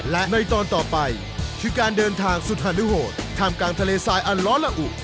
และในตอนต่อไปคือการเดินทางสุดฮานุโหดท่ามกลางทะเลทรายอันล้อละอุ